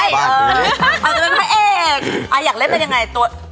อยากเล่นเป็นอย่างไร